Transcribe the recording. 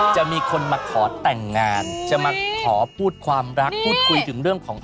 จะมีคนมาขอแต่งงานจะมาขอพูดความรักพูดคุยถึงเรื่องของ